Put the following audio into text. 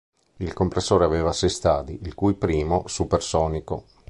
Il compressore aveva sei stadi, il cui primo supersonico.